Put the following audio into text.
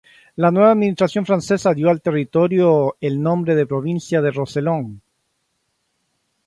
La nueva administración francesa dio al territorio el nombre de provincia del Rosellón.